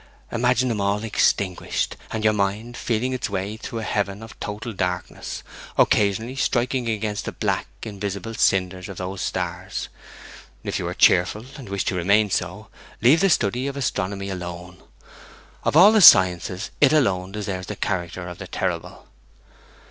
Imagine them all extinguished, and your mind feeling its way through a heaven of total darkness, occasionally striking against the black, invisible cinders of those stars. ... If you are cheerful, and wish to remain so, leave the study of astronomy alone. Of all the sciences, it alone deserves the character of the terrible.'